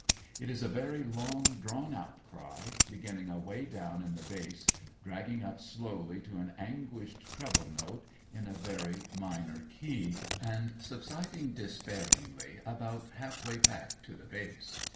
It is a very long drawn cry, beginning away down in the bass, dragging up slowly to an anguished treble note in a very minor key, and subsiding, despairingly, about half way back to the bass.